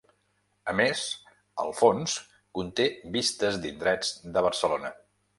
A més el fons conté vistes d'indrets de Barcelona.